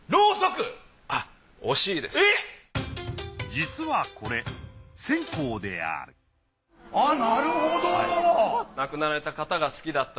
実はこれ線香であるあっなるほど！